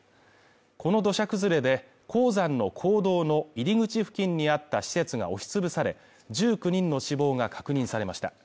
この土砂崩れで、鉱山の坑道の入口付近にあった施設が押しつぶされ、１９人の死亡が確認されました。